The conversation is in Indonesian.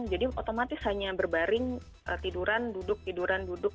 otomatis hanya berbaring tiduran duduk tiduran duduk